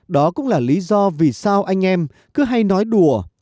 đó cũng là lý do vì sao anh em cứ hay nói đùa